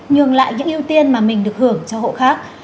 nhường lại những ưu tiên mà mình được hưởng cho hộ khác